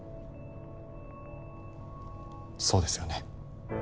そうですよね？